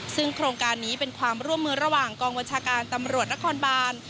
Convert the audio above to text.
ซึ่งโครงการนี้เป็นความร่วมมือระหว่างกองบัญชาการตำรวจนครบาน